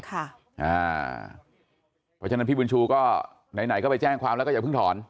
เพราะฉะนั้นพี่บุญชูก็ไหนก็ไปแจ้งความแล้วก็อย่าเพิ่งถอน